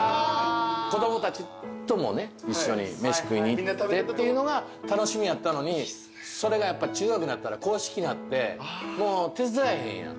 子供たちともね一緒に飯食いに行ってっていうのが楽しみやったのにそれがやっぱ中学になったら硬式になって手伝えへんやん。